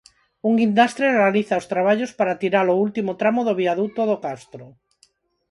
Un guindastre realiza os traballos para tirar o último tramo do viaduto do Castro.